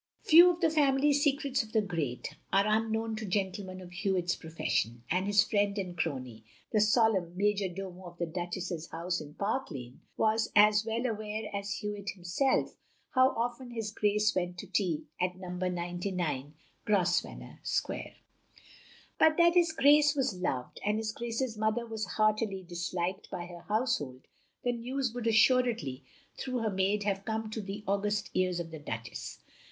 Few of the family secrets of the great are unknown to gentlemen of Hewitt's profession; and his friend and crony, the solemn major domo of the Duchess's house in Park Lane, was as well aware as Hewitt himself how often his Grace went to tea at No. 99 Grosvenor Square. But that his Grace was loved, and his Grace's mother very heartily disliked, by her household, the news would assuredly, through her maid, have come to the august ears of the Duchess.